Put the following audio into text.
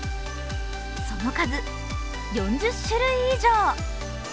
その数４０種類以上。